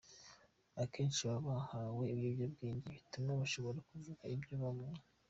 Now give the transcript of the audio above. Akenshi baba bahawe ibiyobyabwenge bituma bashobora kuvuga ibyo babonye.